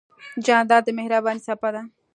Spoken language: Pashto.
جانداد د مهربانۍ څپه ده.